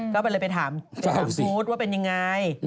ก็ไปเลยไปถามเจ้าหาภูตรว่าเป็นอย่างไร